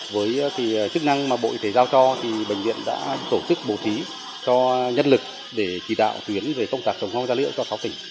với chức năng mà bộ y tế giao cho bệnh viện đã tổ chức bổ trí cho nhân lực để chỉ đạo tuyến về công tác chống rong gia liễu cho sáu tỉnh